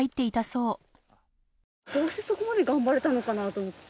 どうしてそこまで頑張れたのかなと思って。